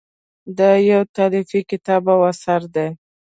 دا یو تالیفي کتاب او اثر دی.